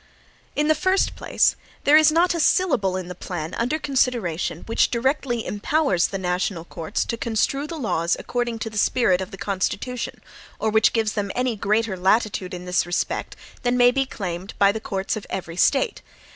In the first place, there is not a syllable in the plan under consideration which directly empowers the national courts to construe the laws according to the spirit of the Constitution, or which gives them any greater latitude in this respect than may be claimed by the courts of every State.